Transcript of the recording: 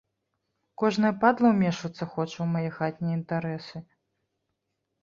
Кожная падла ўмешвацца хоча ў мае хатнія інтарэсы?!